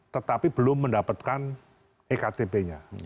tetapi belum mendapatkan ektp nya